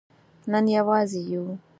نن یوازې یو